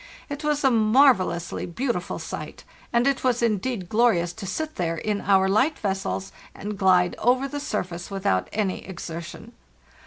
It was a marvellously beautiful sight, and it was indeed glorious to sit there in our light vessels and glide over the surface without any exertion.